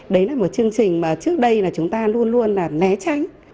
đấy là một chương trình mà trước đây là chúng ta luôn luôn là né tránh